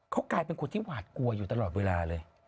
เขากลายเป็นคนที่หวาดกลัวอยู่ตลอดเวลาเลย